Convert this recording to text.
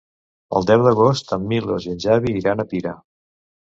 El deu d'agost en Milos i en Xavi iran a Pira.